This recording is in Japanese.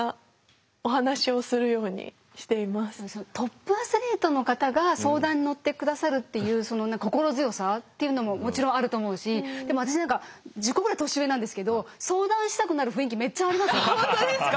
トップアスリートの方が相談に乗って下さるっていうその心強さっていうのももちろんあると思うしでも私何か１０個ぐらい年上なんですけど相談したくなる雰囲気めっちゃあります。